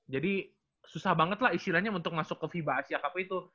jadi susah banget lah istilahnya untuk masuk ke viva asia kpi tuh